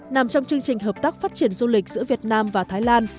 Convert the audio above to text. nằm trong chương trình hợp tác phát triển du lịch giữa việt nam và thái lan